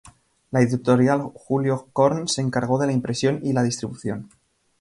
La Editorial Julio Korn se encargó de la impresión y la distribución.